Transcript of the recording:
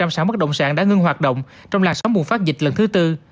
sản bất động sản đã ngưng hoạt động trong làn sóng buồn phát dịch lần thứ tư